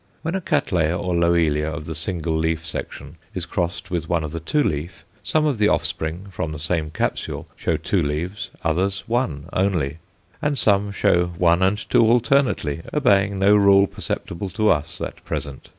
When a Cattleya or Loelia of the single leaf section is crossed with one of the two leaf, some of the offspring, from the same capsule, show two leaves, others one only; and some show one and two alternately, obeying no rule perceptible to us at present.